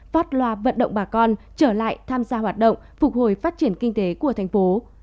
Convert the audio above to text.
phát loa vận động bà con trở lại tham gia hoạt động phục hồi phát triển kinh tế của thành phố